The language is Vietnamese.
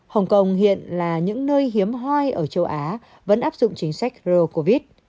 hồng kông hiện là những nơi hiếm hoi ở châu á vẫn áp dụng chính sách covid một mươi chín